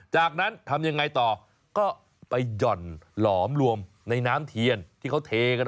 จากนั้นทำยังไงต่อก็ไปหย่อนหลอมรวมในน้ำเทียนที่เขาเทกัน